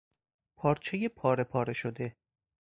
پارچهی پارهپاره شده